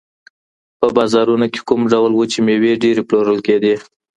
په بازارونو کي کوم ډول وچې مېوې ډېرې پلورل کيدي؟